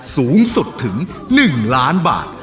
สูงสุดถึง๑ล้านบาท